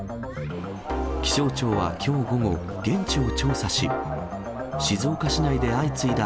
気象庁はきょう午後、現地を調査し、静岡市内で相次いだ